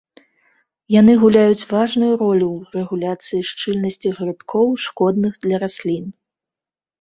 Яны гуляюць важную ролю ў рэгуляцыі шчыльнасці грыбкоў, шкодных для раслін.